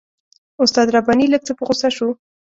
استاد رباني لږ څه په غوسه شو.